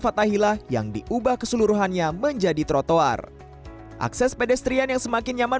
fathahilah yang diubah keseluruhannya menjadi trotoar akses pedestrian yang semakin nyaman